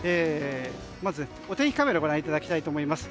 まずお天気カメラをご覧いただきたいと思います。